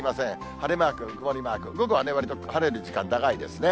晴れマーク、曇りマーク、午後はわりと晴れる時間長いですね。